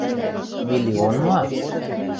— Миллион ма?